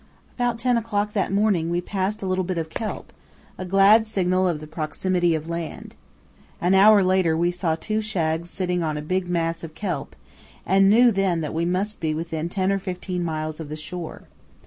About ten o'clock that morning we passed a little bit of kelp, a glad signal of the proximity of land. An hour later we saw two shags sitting on a big mass of kelp, and knew then that we must be within ten or fifteen miles of the shore.